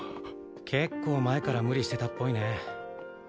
結構前から無理してたっぽいね。